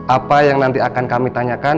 apa yang nanti akan kami tanyakan